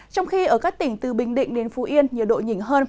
trong khi ở các tỉnh từ bình định đến phú yên nhiệt độ nhìn hơn